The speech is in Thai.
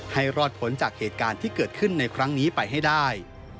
ให้รอดผลจากเหตุการณ์ที่เกิดขึ้นในครั้งนี้ไปให้ได้